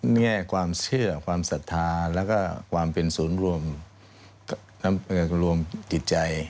แง่ความเชื่อความศรัทธาแล้วก็ความเป็นศูนย์รวมจิตใจ